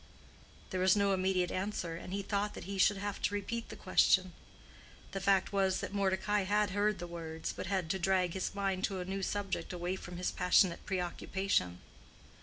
There was no immediate answer, and he thought that he should have to repeat the question. The fact was that Mordecai had heard the words, but had to drag his mind to a new subject away from his passionate preoccupation.